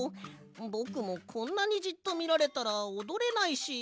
ぼくもこんなにじっとみられたらおどれないし。